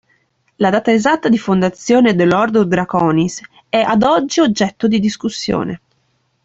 La data esatta di fondazione dell"'ordo draconis" è ad oggi oggetto di discussione.